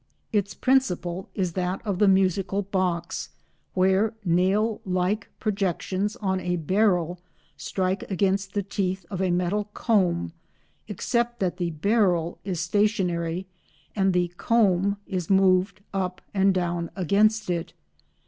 Its principle is that of the musical box, where nail like projections on a barrel strike against the teeth of a metal comb, except that the barrel is stationary and the comb is moved up and down against it.